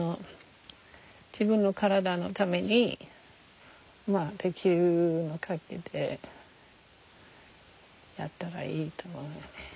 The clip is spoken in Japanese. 自分の体のためにまあできるかぎりでやったらいいと思うよね。